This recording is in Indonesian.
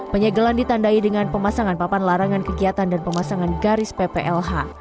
penyegelan ditandai dengan pemasangan papan larangan kegiatan dan pemasangan garis pplh